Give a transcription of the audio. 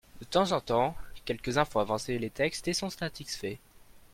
De temps en temps, quelques-uns font avancer les textes et sont satisfaits.